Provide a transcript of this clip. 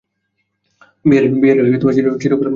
বিহারীর চিরকাল ঐ দশা।